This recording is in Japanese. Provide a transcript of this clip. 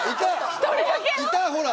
１人だけいたほら！